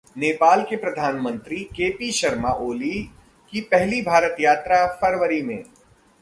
नेपाल के प्रधानमंत्री K. P. Sharma Oli की पहली भारत यात्रा फरवरी में